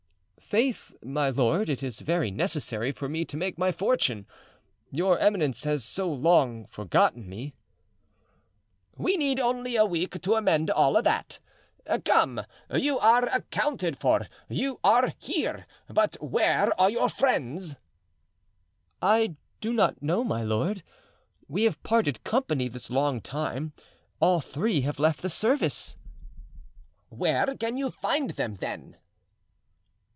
"Faith, my lord, it is very necessary for me to make my fortune, your eminence has so long forgotten me." "We need only a week to amend all that. Come, you are accounted for, you are here, but where are your friends?" "I do not know, my lord. We have parted company this long time; all three have left the service." "Where can you find them, then?"